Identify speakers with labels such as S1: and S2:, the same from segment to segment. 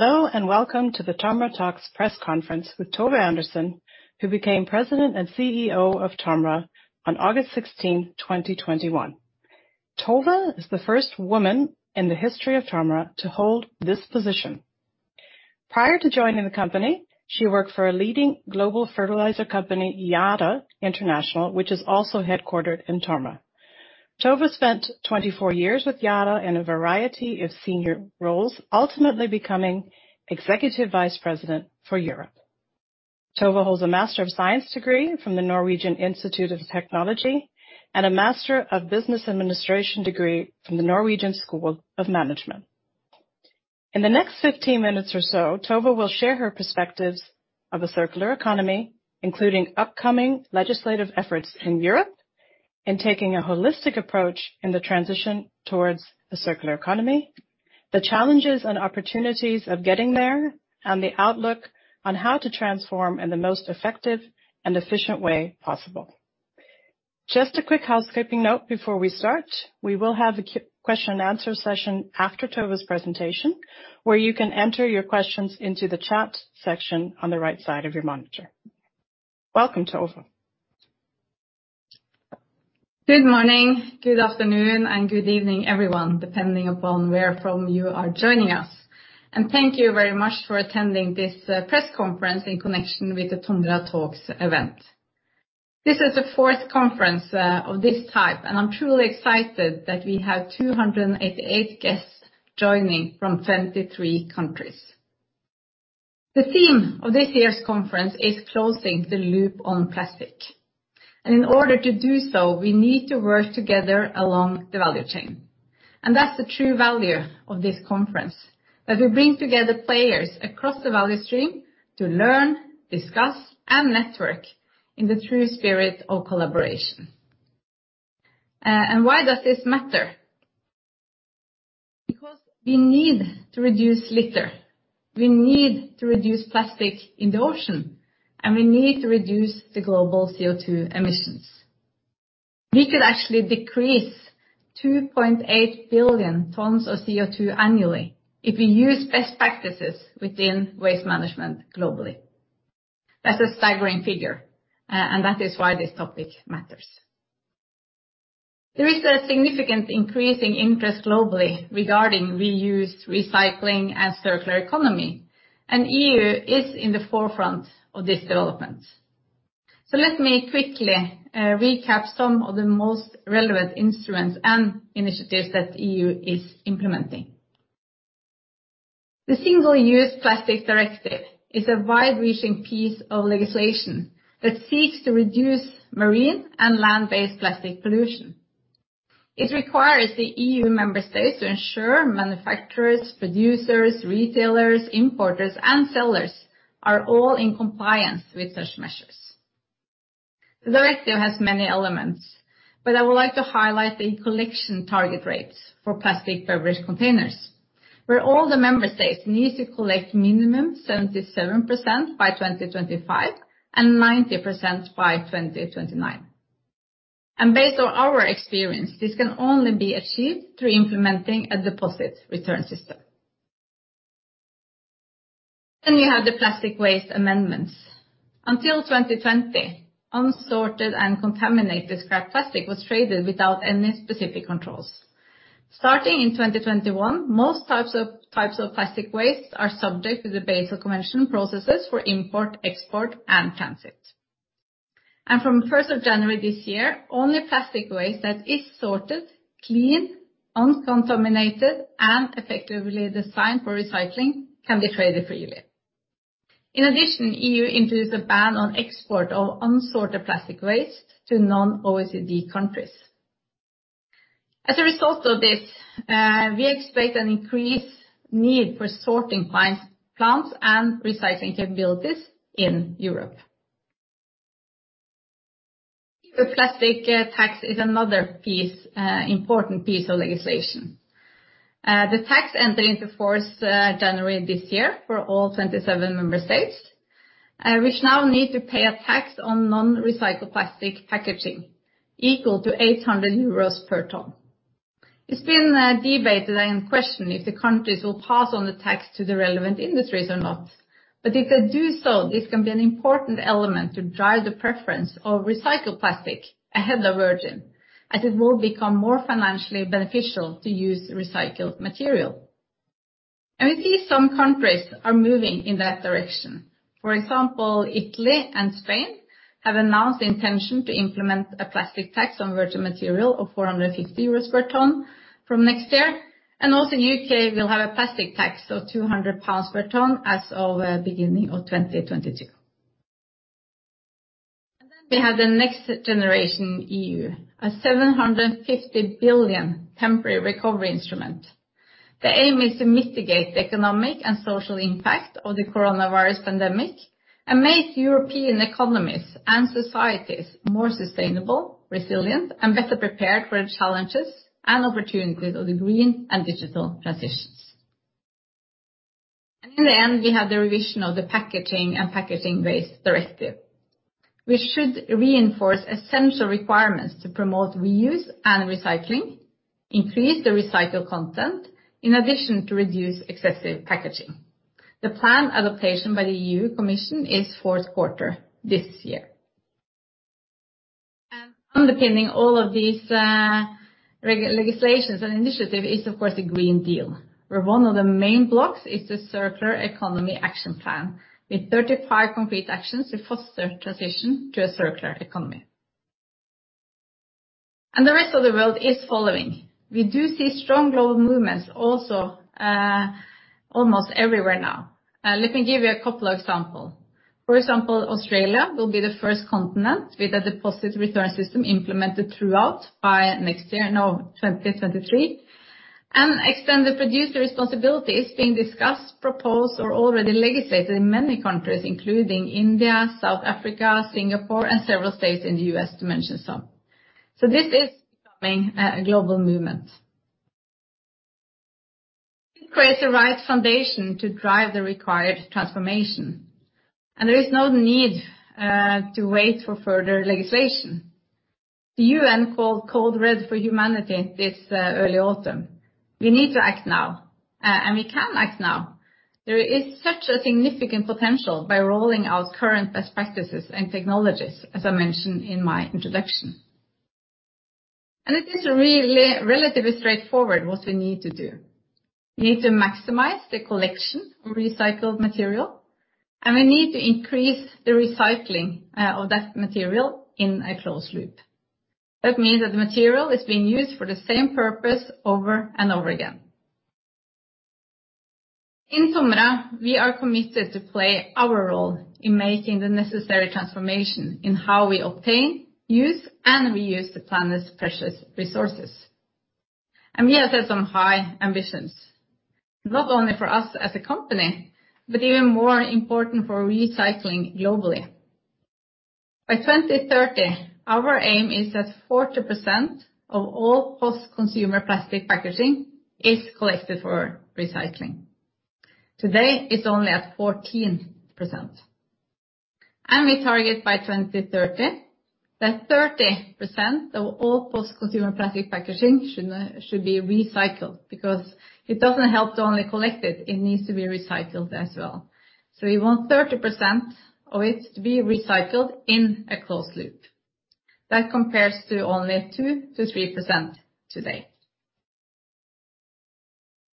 S1: Hello, and welcome to the TOMRA Talks press conference with Tove Andersen, who became President and CEO of TOMRA on August 16, 2021. Tove is the first woman in the history of TOMRA to hold this position. Prior to joining the company, she worked for a leading global fertilizer company, Yara International, which is also headquartered in TOMRA. Tove spent 24 years with Yara in a variety of senior roles, ultimately becoming Executive Vice President for Europe. Tove holds a Master of Science degree from the Norwegian Institute of Technology and a Master of Business Administration degree from the Norwegian School of Management. In the next 15 minutes or so, Tove will share her perspectives of a circular economy, including upcoming legislative efforts in Europe and taking a holistic approach in the transition towards a circular economy, the challenges and opportunities of getting there, and the outlook on how to transform in the most effective and efficient way possible. Just a quick housekeeping note before we start. We will have a question and answer session after Tove's presentation, where you can enter your questions into the chat section on the right side of your monitor. Welcome, Tove.
S2: Good morning, good afternoon, and good evening, everyone, depending upon where from you are joining us, and thank you very much for attending this press conference in connection with the TOMRA Talks event. This is the fourth conference of this type, and I'm truly excited that we have 288 guests joining from 23 countries. The theme of this year's conference is closing the loop on plastic, and in order to do so, we need to work together along the value chain. That's the true value of this conference, that we bring together players across the value stream to learn, discuss, and network in the true spirit of collaboration. Why does this matter? Because we need to reduce litter, we need to reduce plastic in the ocean, and we need to reduce the global CO2 emissions. We could actually decrease 2.8 billion tons of CO2 annually if we use best practices within waste management globally. That's a staggering figure, and that is why this topic matters. There is a significant increase in interest globally regarding reuse, recycling, and circular economy, and EU is in the forefront of this development. Let me quickly recap some of the most relevant instruments and initiatives that EU is implementing. The Single-Use Plastics Directive is a wide-reaching piece of legislation that seeks to reduce marine and land-based plastic pollution. It requires the EU member states to ensure manufacturers, producers, retailers, importers, and sellers are all in compliance with such measures. The directive has many elements, but I would like to highlight the collection target rates for plastic beverage containers, where all the member states need to collect minimum 77% by 2025 and 90% by 2029. Based on our experience, this can only be achieved through implementing a deposit return system. You have the Plastic Waste Amendments. Until 2020, unsorted and contaminated scrap plastic was traded without any specific controls. Starting in 2021, most types of plastic waste are subject to the Basel Convention processes for import, export, and transit. From 1st of January this year, only plastic waste that is sorted, clean, uncontaminated, and effectively designed for recycling can be traded freely. In addition, EU introduced a ban on export of unsorted plastic waste to non-OECD countries. As a result of this, we expect an increased need for sorting plants and recycling capabilities in Europe. The plastic tax is another important piece of legislation. The tax entered into force January this year for all 27 member states, which now need to pay a tax on non-recycled plastic packaging equal to 800 euros per ton. It's been debated and questioned if the countries will pass on the tax to the relevant industries or not, but if they do so, this can be an important element to drive the preference of recycled plastic ahead of virgin, as it will become more financially beneficial to use recycled material. We see some countries are moving in that direction. For example, Italy and Spain have announced the intention to implement a plastic tax on virgin material of 450 euros per ton from next year, and also U.K. will have a plastic tax of 200 pounds per ton as of beginning of 2022. We have the NextGenerationEU, a 750 billion temporary recovery instrument. The aim is to mitigate the economic and social impact of the coronavirus pandemic and make European economies and societies more sustainable, resilient, and better prepared for the challenges and opportunities of the green and digital transitions. In the end, we have the revision of the Packaging and Packaging Waste Directive. We should reinforce essential requirements to promote reuse and recycling, increase the recycled content, in addition to reduce excessive packaging. The planned adaptation by the EU Commission is fourth quarter this year. Underpinning all of these legislations and initiative is, of course, the Green Deal, where one of the main blocks is the Circular Economy Action Plan, with 35 concrete actions to foster transition to a circular economy. The rest of the world is following. We do see strong global movements also, almost everywhere now. Let me give you a couple of example. For example, Australia will be the first continent with a deposit return system implemented throughout by 2023, and Extended Producer Responsibility is being discussed, proposed, or already legislated in many countries, including India, South Africa, Singapore, and several states in the U.S., to mention some. This is becoming a global movement. It creates the right foundation to drive the required transformation, and there is no need to wait for further legislation. The UN called code red for humanity this early autumn. We need to act now, and we can act now. There is such a significant potential by rolling out current best practices and technologies, as I mentioned in my introduction. It is really relatively straightforward what we need to do. We need to maximize the collection of recycled material, and we need to increase the recycling of that material in a closed loop. That means that the material is being used for the same purpose over and over again. In TOMRA, we are committed to play our role in making the necessary transformation in how we obtain, use, and reuse the planet's precious resources. We have set some high ambitions, not only for us as a company, but even more important for recycling globally. By 2030, our aim is that 40% of all post-consumer plastic packaging is collected for recycling. Today, it's only at 14%. We target by 2030 that 30% of all post-consumer plastic packaging should be recycled, because it doesn't help to only collect it. It needs to be recycled as well. We want 30% of it to be recycled in a closed loop. That compares to only 2%-3% today.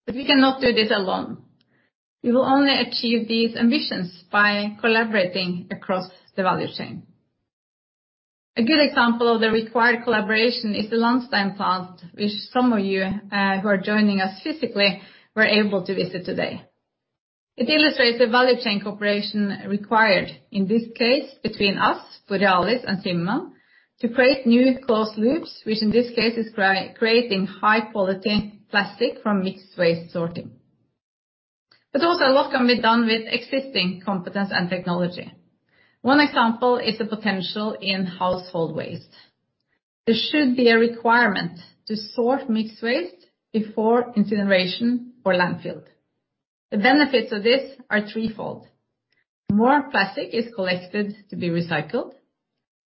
S2: We cannot do this alone. We will only achieve these ambitions by collaborating across the value chain. A good example of the required collaboration is the Lahnstein plant, which some of you, who are joining us physically, were able to visit today. It illustrates the value chain cooperation required, in this case, between us, Borealis, and Zimmermann, to create new closed loops, which in this case is creating high quality plastic from mixed waste sorting. Also, a lot can be done with existing competence and technology. One example is the potential in household waste. There should be a requirement to sort mixed waste before incineration or landfill. The benefits of this are threefold: more plastic is collected to be recycled,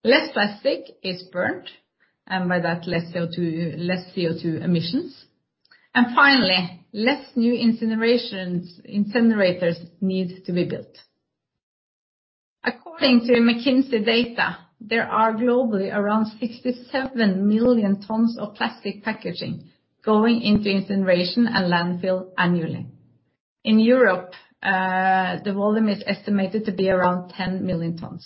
S2: less plastic is burnt, and by that, less CO2 emissions, and finally, less new incinerators needs to be built. According to McKinsey data, there are globally around 67 million tons of plastic packaging going into incineration and landfill annually. In Europe, the volume is estimated to be around 10 million tons.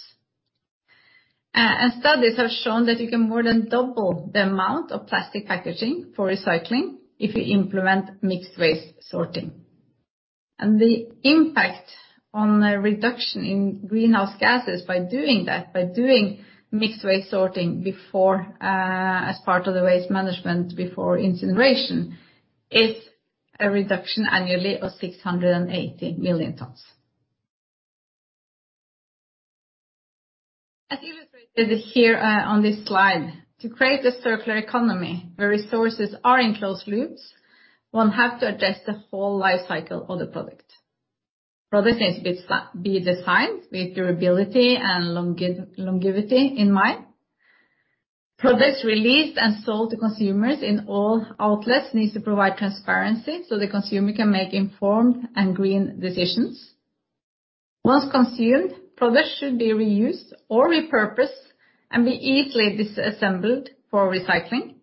S2: Studies have shown that you can more than double the amount of plastic packaging for recycling if you implement mixed waste sorting. The impact on the reduction in greenhouse gases by doing that, by doing mixed waste sorting before, as part of the waste management before incineration, is a reduction annually of 680 million tons. As illustrated here, on this slide, to create a circular economy where resources are in closed loops, one have to address the whole life cycle of the product. Product needs to be designed with durability and longevity in mind. Products released and sold to consumers in all outlets needs to provide transparency so the consumer can make informed and green decisions. Once consumed, products should be reused or repurposed and be easily disassembled for recycling.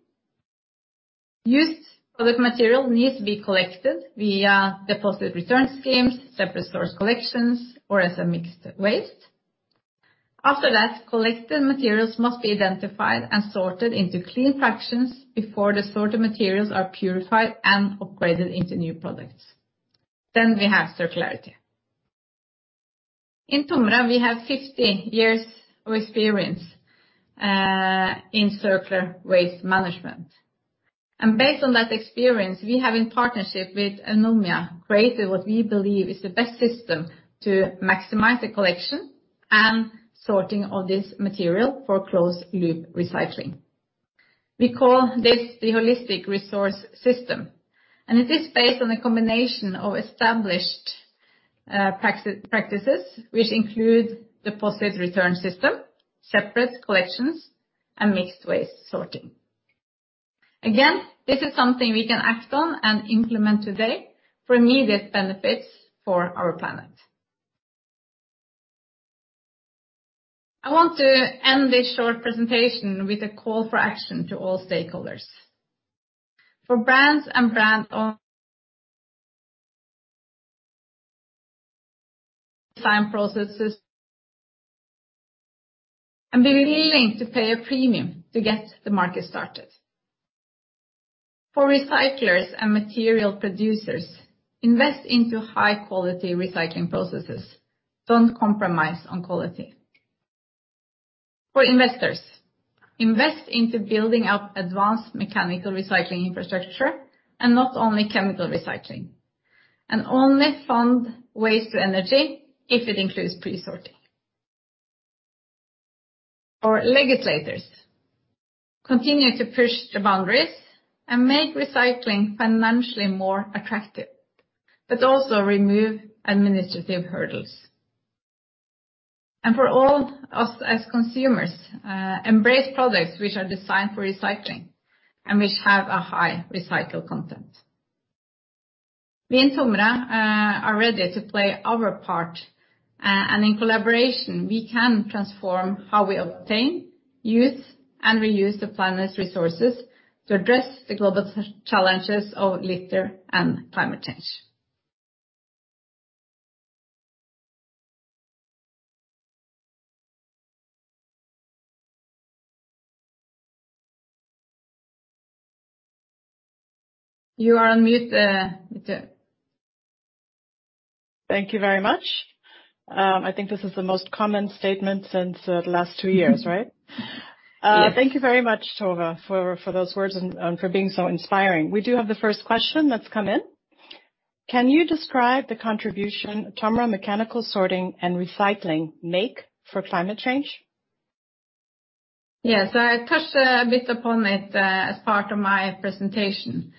S2: Used product material needs to be collected via deposit return schemes, separate source collections, or as a mixed waste. After that, collected materials must be identified and sorted into clean fractions before the sorted materials are purified and upgraded into new products. We have circularity. In TOMRA, we have 50 years of experience in circular waste management. Based on that experience, we have, in partnership with Eunomia, created what we believe is the best system to maximize the collection and sorting of this material for closed loop recycling. We call this the Holistic Resource System, and it is based on a combination of established practices, which include deposit return system, separate collections, and mixed waste sorting. Again, this is something we can act on and implement today for immediate benefits for our planet. I want to end this short presentation with a call for action to all stakeholders. For brands and brand owners design processes, and be willing to pay a premium to get the market started. For recyclers and material producers, invest into high-quality recycling processes. Don't compromise on quality. For investors, invest into building out advanced mechanical recycling infrastructure and not only chemical recycling, and only fund waste-to-energy if it includes pre-sorting. For legislators, continue to push the boundaries and make recycling financially more attractive, but also remove administrative hurdles. For all us as consumers, embrace products which are designed for recycling and which have a high recycle content. We in TOMRA are ready to play our part, and in collaboration, we can transform how we obtain, use, and reuse the planet's resources to address the global challenges of litter and climate change. You are on mute.
S1: Thank you very much. I think this is the most common statement since the last two years, right?
S2: Yes.
S1: Thank you very much, Tove, for those words and for being so inspiring. We do have the first question that's come in. Can you describe the contribution TOMRA mechanical sorting and recycling make for climate change?
S2: I touched a bit upon it as part of my presentation.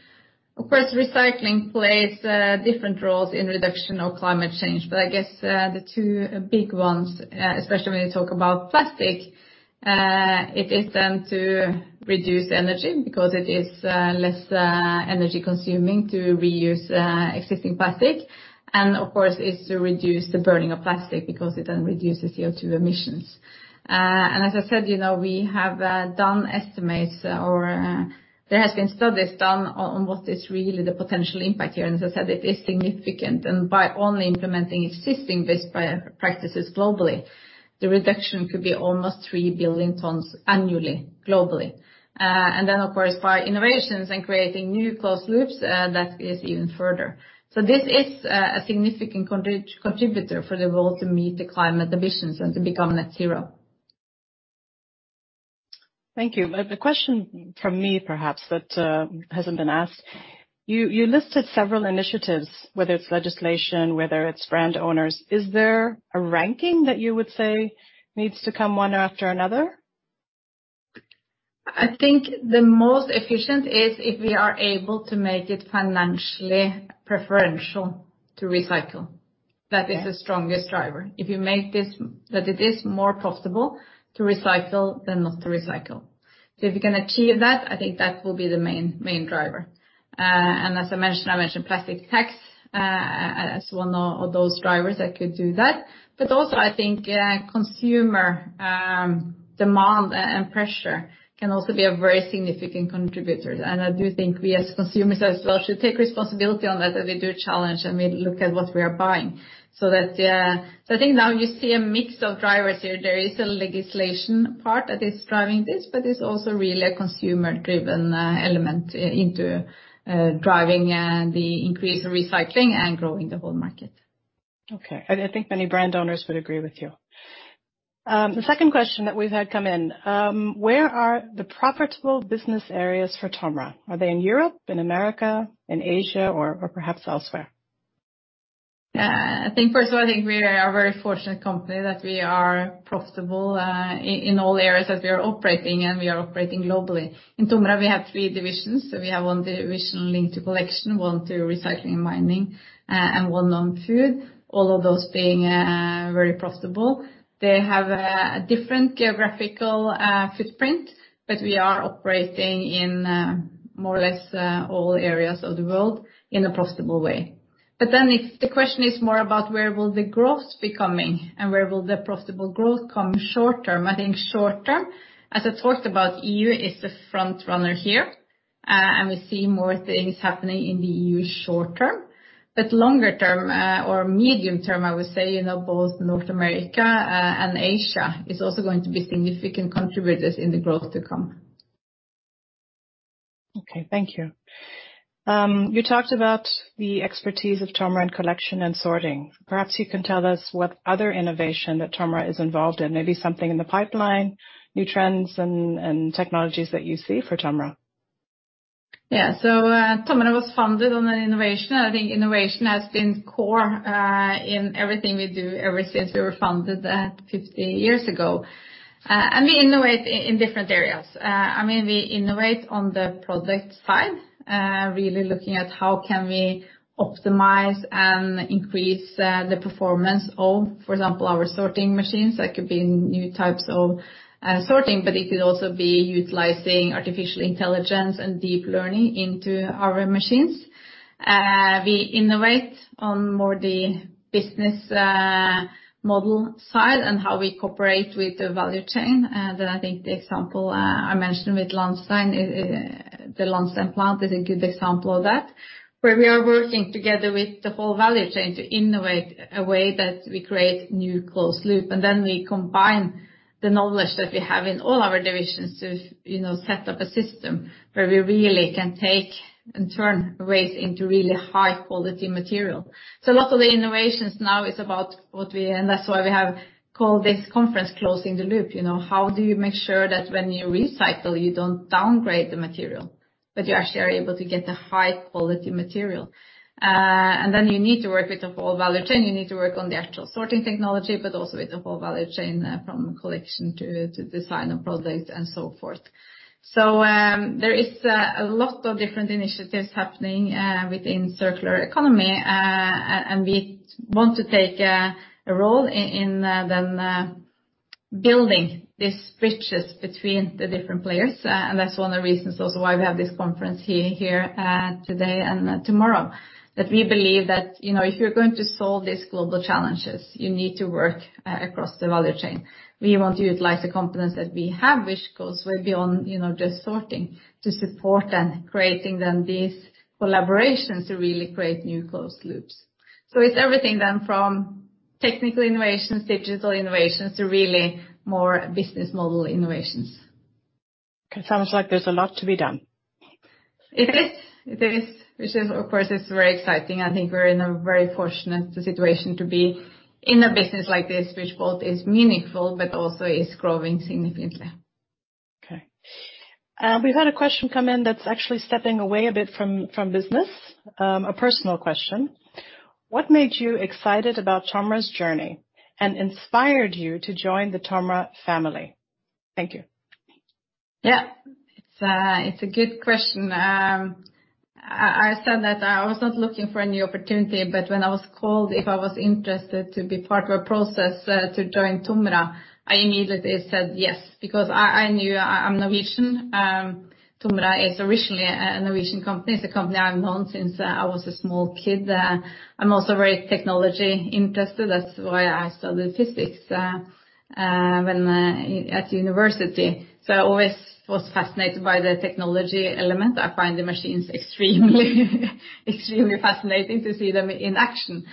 S2: Of course, recycling plays different roles in reduction of climate change, but I guess the two big ones, especially when you talk about plastic, it is then to reduce energy because it is less energy-consuming to reuse existing plastic, and, of course, is to reduce the burning of plastic because it then reduces CO2 emissions. As I said, we have done estimates or there has been studies done on what is really the potential impact here, and as I said, it is significant. By only implementing existing best practices globally, the reduction could be almost 3 billion tons annually, globally. Of course, by innovations and creating new closed loops, that is even further. This is a significant contributor for the world to meet the climate emissions and to become net zero.
S1: Thank you. The question from me perhaps that hasn't been asked, you listed several initiatives, whether it's legislation, whether it's brand owners. Is there a ranking that you would say needs to come one after another?
S2: I think the most efficient is if we are able to make it financially preferential to recycle.
S1: Yeah.
S2: That is the strongest driver. If you make this that it is more profitable to recycle than not to recycle. If you can achieve that, I think that will be the main driver. As I mentioned, I mentioned plastic tax as one of those drivers that could do that. Also, I think consumer demand and pressure can also be a very significant contributor. I do think we as consumers as well should take responsibility on that we do a challenge and we look at what we are buying. I think now you see a mix of drivers here. There is a legislation part that is driving this, but it's also really a consumer-driven element into driving the increase of recycling and growing the whole market.
S1: Okay. I think many brand owners would agree with you. The second question that we've had come in, where are the profitable business areas for TOMRA? Are they in Europe, in America, in Asia, or perhaps elsewhere?
S2: I think first of all, I think we are a very fortunate company that we are profitable, in all the areas that we are operating, and we are operating globally. In TOMRA, we have three divisions, so we have one division linked to collection, one to recycling and mining, and one on food. All of those being very profitable. They have a different geographical footprint, but we are operating in more or less all areas of the world in a profitable way. If the question is more about where will the growth be coming and where will the profitable growth come short term, I think short term, as I talked about, EU is the frontrunner here, and we see more things happening in the EU short term. Longer term, or medium term, I would say, both North America and Asia is also going to be significant contributors in the growth to come.
S1: Okay. Thank you. You talked about the expertise of TOMRA in collection and sorting. Perhaps you can tell us what other innovation that TOMRA is involved in? Maybe something in the pipeline, new trends and technologies that you see for TOMRA?
S2: Yeah. TOMRA was founded on an innovation, and I think innovation has been core in everything we do ever since we were founded 50 years ago. We innovate in different areas. We innovate on the product side, really looking at how can we optimize and increase the performance of, for example, our sorting machines. That could be new types of sorting, but it could also be utilizing artificial intelligence and deep learning into our machines. We innovate on more the business model side and how we cooperate with the value chain, that I think the example I mentioned with the Lahnstein plant is a good example of that, where we are working together with the whole value chain to innovate a way that we create new closed loop, and then we combine the knowledge that we have in all our divisions to set up a system where we really can take and turn waste into really high-quality material. Lots of the innovations now is about and that's why we have called this conference Closing the Loop. How do you make sure that when you recycle, you don't downgrade the material, but you actually are able to get a high-quality material? You need to work with the whole value chain. You need to work on the actual sorting technology, but also with the whole value chain, from collection to design of products and so forth. There is a lot of different initiatives happening within Circular Economy, and we want to take a role in them building these bridges between the different players. That's one of the reasons also why we have this conference here today and tomorrow, that we believe that if you're going to solve these global challenges, you need to work across the value chain. We want to utilize the competence that we have, which goes way beyond just sorting, to support and creating then these collaborations to really create new closed loops. It's everything then from technical innovations, digital innovations, to really more business model innovations.
S1: It sounds like there's a lot to be done.
S2: It is. Which, of course, is very exciting. I think we're in a very fortunate situation to be in a business like this, which both is meaningful but also is growing significantly.
S1: Okay. We've had a question come in that's actually stepping away a bit from business. A personal question. What made you excited about TOMRA's journey and inspired you to join the TOMRA family? Thank you.
S2: Yeah. It's a good question. I said that I was not looking for a new opportunity, but when I was called, if I was interested to be part of a process to join TOMRA, I immediately said yes, because I'm Norwegian. TOMRA is originally a Norwegian company. It's a company I've known since I was a small kid. I'm also very technology interested. That's why I studied physics at university. I always was fascinated by the technology element. I find the machines extremely fascinating to see them in action.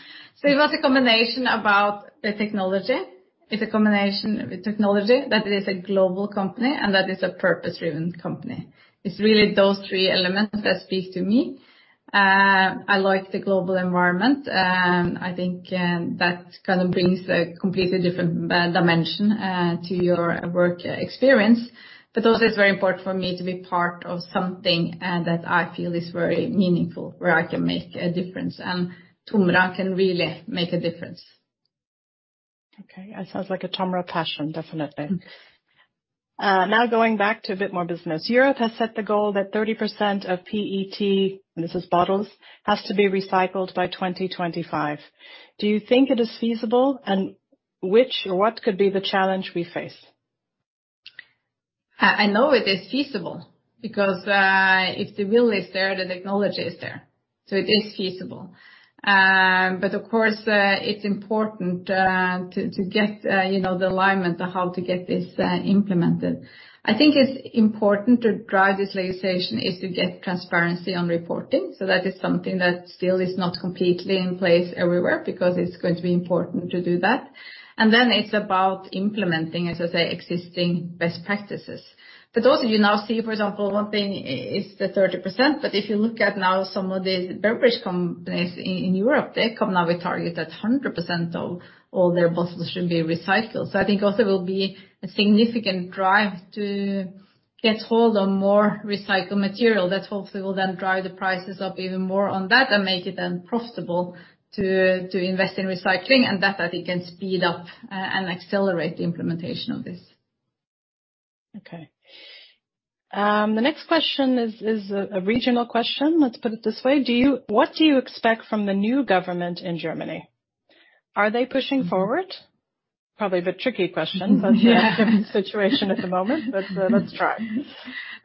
S2: It was a combination about the technology. It's a combination of technology, that it is a global company, and that it's a purpose-driven company. It's really those three elements that speak to me. I like the global environment. I think that kind of brings a completely different dimension to your work experience. Also, it's very important for me to be part of something that I feel is very meaningful, where I can make a difference, and TOMRA can really make a difference.
S1: Okay. That sounds like a TOMRA passion, definitely. Going back to a bit more business. Europe has set the goal that 30% of PET, and this is bottles, has to be recycled by 2025. Do you think it is feasible, and which or what could be the challenge we face?
S2: I know it is feasible because if the will is there, the technology is there. It is feasible. Of course, it's important to get the alignment on how to get this implemented. I think it's important to drive this legislation, is to get transparency on reporting. That is something that still is not completely in place everywhere, because it's going to be important to do that. It's about implementing, as I say, existing best practices. Also, you now see, for example, one thing is the 30%, but if you look at now some of the beverage companies in Europe, they come now with target that 100% of all their bottles should be recycled. I think also will be a significant drive to get hold of more recycled material that hopefully will then drive the prices up even more on that and make it then profitable to invest in recycling, and that I think can speed up and accelerate the implementation of this.
S1: Okay. The next question is a regional question. Let's put it this way. What do you expect from the new government in Germany? Are they pushing forward? Probably a bit tricky question.
S2: Yeah.
S1: Such a different situation at the moment. Let's try.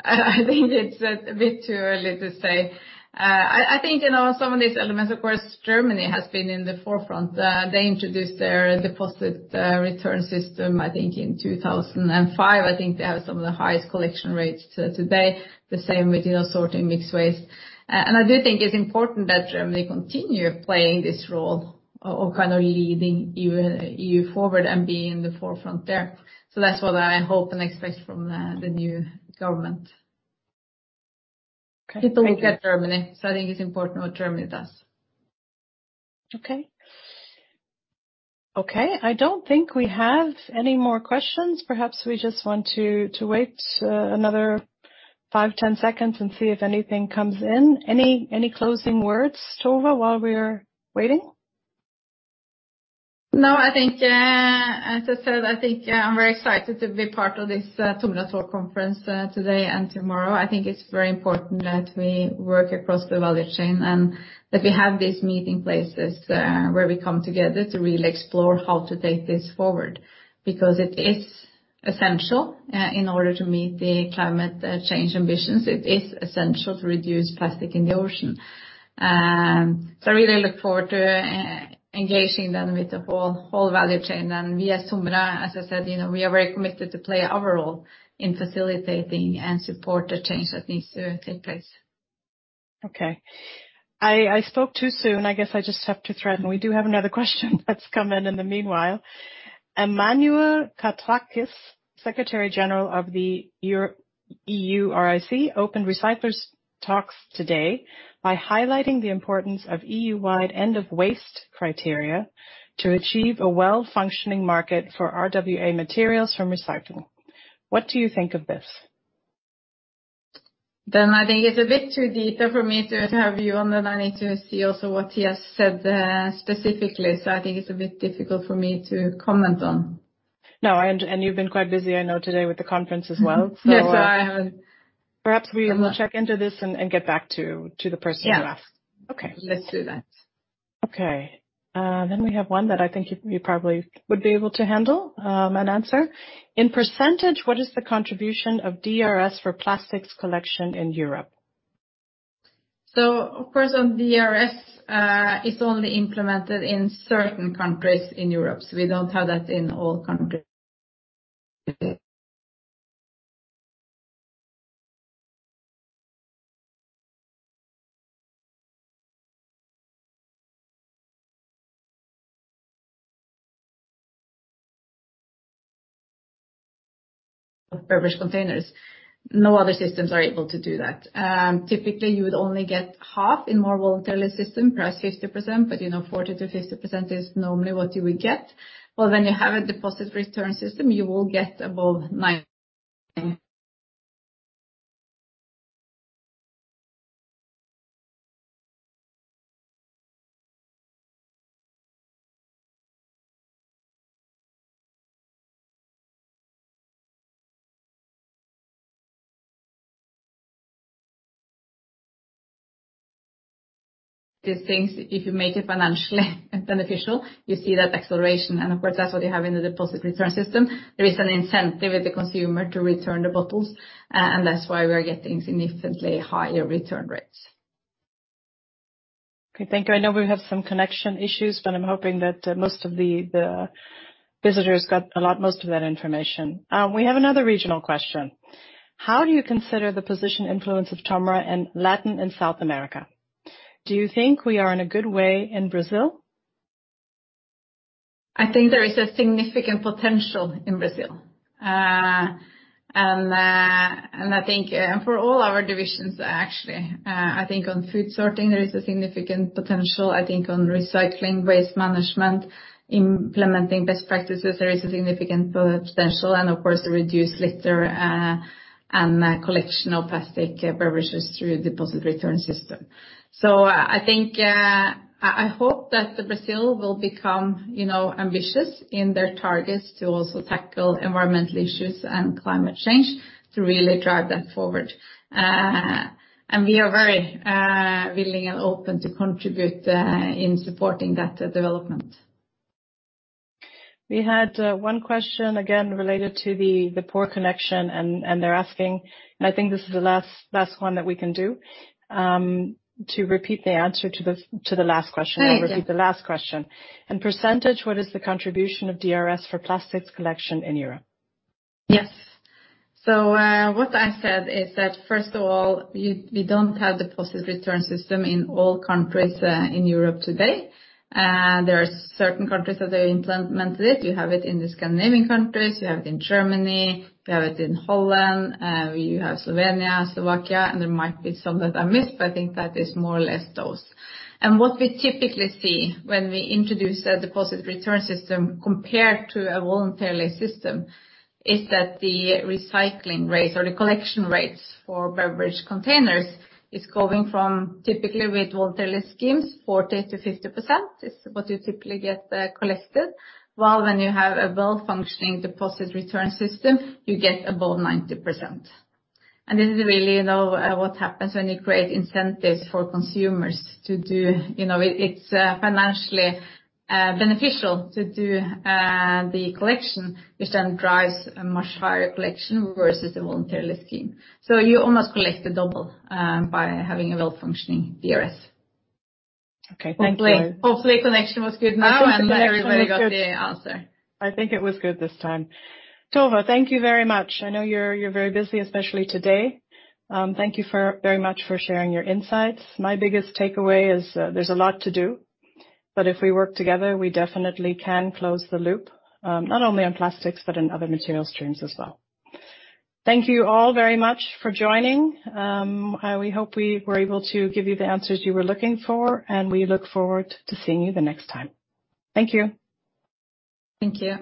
S2: I think it's a bit too early to say. I think some of these elements, of course, Germany has been in the forefront. They introduced their deposit return system, I think, in 2005. I think they have some of the highest collection rates today. The same with sorting mixed waste. I do think it's important that Germany continue playing this role of kind of leading EU forward and being in the forefront there. That's what I hope and expect from the new government.
S1: Okay. Thank you.
S2: People look at Germany, so I think it's important what Germany does.
S1: Okay. I don't think we have any more questions. Perhaps we just want to wait another five, 10 seconds and see if anything comes in. Any closing words, Tove, while we're waiting?
S2: No, as I said, I think I'm very excited to be part of this TOMRA Talks conference today and tomorrow. I think it's very important that we work across the value chain and that we have these meeting places where we come together to really explore how to take this forward, because it is essential in order to meet the climate change ambitions. It is essential to reduce plastic in the ocean. I really look forward to engaging then with the whole value chain. We at TOMRA, as I said, we are very committed to play our role in facilitating and support the change that needs to take place.
S1: Okay. I spoke too soon. I guess I just have to thread. We do have another question that's come in in the meanwhile. Emmanuel Katrakis, Secretary General, EuRIC, opened TOMRA Talks today by highlighting the importance of EU-wide end-of-waste criteria to achieve a well-functioning market for RWA materials from recycling. What do you think of this?
S2: I think it's a bit too detailed for me to have a view on, and I need to see also what he has said specifically. I think it's a bit difficult for me to comment on.
S1: No, you've been quite busy, I know today with the conference as well.
S2: Yes, I have.
S1: Perhaps we will check into this and get back to the person who asked.
S2: Yeah.
S1: Okay.
S2: Let's do that.
S1: Okay. We have one that I think you probably would be able to handle and answer. In percentage, what is the contribution of DRS for plastics collection in Europe?
S2: Of course, on DRS, it's only implemented in certain countries in Europe. We don't have that in all countries. Of beverage containers. No other systems are able to do that. Typically, you would only get half in more voluntarily system, perhaps 50%, but 40%-50% is normally what you would get. When you have a deposit return system, you will get above 90%. These things, if you make it financially beneficial, you see that acceleration. Of course, that's what you have in the deposit return system. There is an incentive with the consumer to return the bottles, and that's why we are getting significantly higher return rates.
S1: Okay, thank you. I know we have some connection issues, but I'm hoping that most of the visitors got most of that information. We have another regional question. How do you consider the position influence of TOMRA in Latin and South America? Do you think we are in a good way in Brazil?
S2: I think there is a significant potential in Brazil. I think for all our divisions, actually. I think on food sorting, there is a significant potential. I think on recycling waste management, implementing best practices, there is a significant potential and of course, a reduced litter, and collection of plastic beverages through deposit return system. I hope that the Brazil will become ambitious in their targets to also tackle environmental issues and climate change to really drive that forward. We are very willing and open to contribute in supporting that development.
S1: We had one question again related to the poor connection. They're asking, and I think this is the last one that we can do, to repeat the answer to the last question.
S2: Thank you.
S1: I'll repeat the last question. In percentage, what is the contribution of DRS for plastics collection in Europe?
S2: Yes. What I said is that first of all, we don't have deposit return system in all countries in Europe today. There are certain countries that they implemented it. You have it in the Scandinavian countries, you have it in Germany, you have it in Holland, you have Slovenia, Slovakia, and there might be some that I missed, but I think that is more or less those. What we typically see when we introduce a deposit return system compared to a voluntarily system is that the recycling rates or the collection rates for beverage containers is going from typically with voluntarily schemes, 40%-50% is what you typically get collected. While when you have a well-functioning deposit return system, you get above 90%. This is really what happens when you create incentives for consumers. It's financially beneficial to do the collection, which then drives a much higher collection versus a voluntary scheme. You almost collect double by having a well-functioning DRS.
S1: Okay. Thank you.
S2: Hopefully, connection was good now and everybody got the answer.
S1: I think it was good this time. Tove, thank you very much. I know you're very busy, especially today. Thank you very much for sharing your insights. My biggest takeaway is there's a lot to do, but if we work together, we definitely can close the loop, not only on plastics, but in other material streams as well. Thank you all very much for joining. We hope we were able to give you the answers you were looking for. We look forward to seeing you the next time. Thank you.
S2: Thank you.